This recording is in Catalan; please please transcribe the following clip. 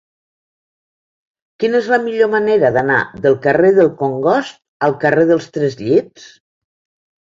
Quina és la millor manera d'anar del carrer del Congost al carrer dels Tres Llits?